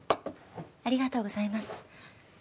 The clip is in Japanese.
ありがとうございます。